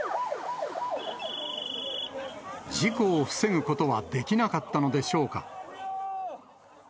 事故を防ぐことはできなかったのでしょうか。